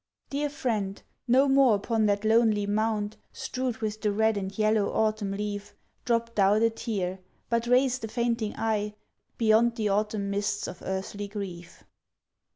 Dear friend, no more upon that lonely mound, Strewed with the red and yellow autumn leaf, Drop thou the tear, but raise the fainting eye Beyond the autumn mists of earthly grief.